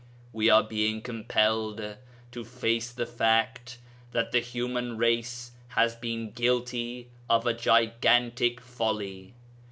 We are being compelled to face the fact that the human race has been guilty of a gigantic folly.